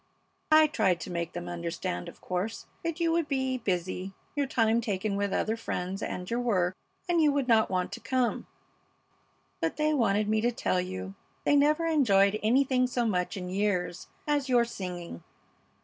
I tried to make them understand, of course, that you would be busy, your time taken with other friends and your work, and you would not want to come; but they wanted me to tell you they never enjoyed anything so much in years as your singing.